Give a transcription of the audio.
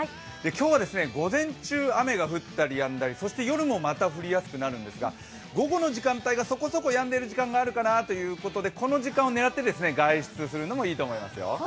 今日は、午前中雨が降ったりやんだり、そして夜もまた降りやすくなるんですが午後の時間帯がそこそこやんでいく時間があるかなということでこの時間を狙って外出するのもいいと思いますよ。